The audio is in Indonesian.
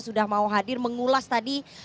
sudah mau hadir mengulas tadi